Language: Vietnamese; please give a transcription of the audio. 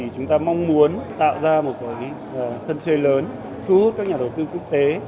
chúng ta mong muốn tạo ra một sân chơi lớn thu hút các nhà đầu tư quốc tế